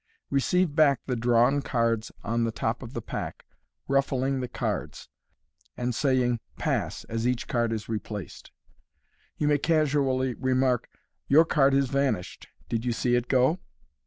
Receive back the drawn cards on the top of the pack, u ruffling " the cards (see page 27), and saying rt Pass !" as each card is replaced. You may casually remark, " Your card has vanished j did you see it go